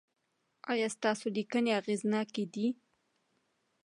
ایا ستاسو لیکنې اغیزناکې دي؟